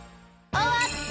おわった！